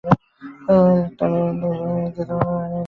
আরে, পাস তো করো।